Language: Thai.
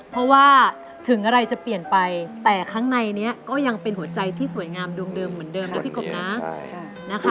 เพราะว่าถึงอะไรจะเปลี่ยนไปแต่ข้างในนี้ก็ยังเป็นหัวใจที่สวยงามดวงเดิมเหมือนเดิมนะพี่กบนะนะคะ